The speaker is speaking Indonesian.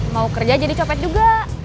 mau kerja jadi copet juga